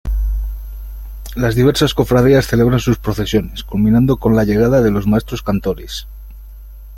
Las diversas cofradías celebran sus procesiones, culminando con la llegada de los maestros cantores.